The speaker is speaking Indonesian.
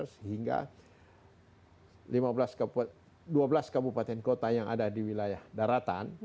sehingga dua belas kabupaten kota yang ada di wilayah daratan